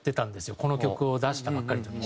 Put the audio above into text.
この曲を出したばっかりの時に。